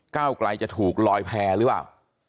ก้าวกลายจะถูกลอยแพร่รึว่า